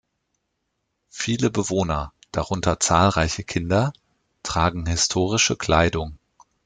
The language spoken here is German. Viele Bewohner, darunter zahlreiche Kinder, tragen historische Kleidung.